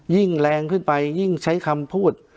ยิ่งแรงขึ้นไปยิ่งใช้คำพูด